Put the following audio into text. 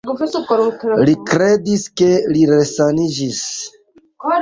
Li kredis, ke li resaniĝis.